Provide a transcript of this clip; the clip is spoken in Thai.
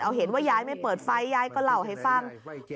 เอาเห็นว่ายายไม่เปิดไฟยายก็เล่าให้ฟัง